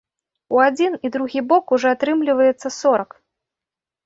У адзін і другі бок ужо атрымліваецца сорак.